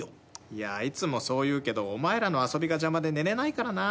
いやいつもそう言うけどお前らの遊びが邪魔で寝れないからな。